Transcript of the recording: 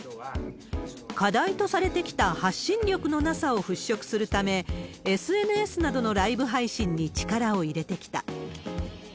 課題とされてきた発信力のなさを払拭するため、ＳＮＳなどのライブ配信に力を入れてきた。